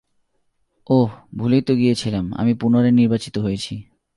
ওহ ভুলেই তো গিয়েছিলাম, আমি পুনরায় নির্বাচিত হয়েছি।